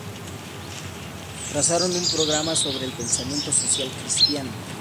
Trazaron un programa sobre el pensamiento social cristiano.